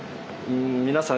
皆さん